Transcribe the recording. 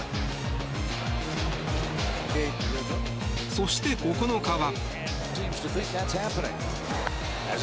そして、９日は。